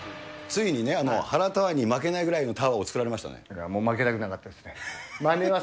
ついにね、原タワーに負けないぐらいのタワーを作られました負けたくなかったですね。